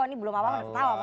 ini belum awal tawa mas joko